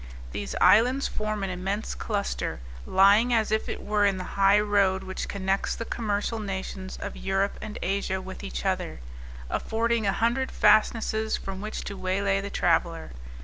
These islands form an immense cluster, lying as if it were in the high road which connects the commercial nations of Europe and Asia with each other, affording a hundred fastnesses from which to waylay the traveller.